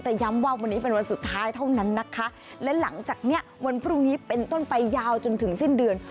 แต่ย้ำว่าวันนี้เป็นวันสุดท้ายเท่านั้นนะคะและหลังจากเนี้ยวันพรุ่งนี้เป็นต้นไปยาวจนถึงสิ้นเดือน